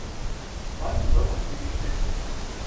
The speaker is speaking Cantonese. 搵唔到同事點算?